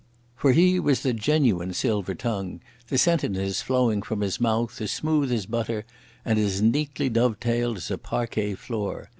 For he was the genuine silver tongue, the sentences flowing from his mouth as smooth as butter and as neatly dovetailed as a parquet floor.